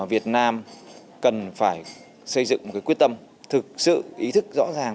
việt nam cần phải xây dựng một cái quyết tâm thực sự ý thức rõ ràng